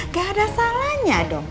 gak ada salahnya dong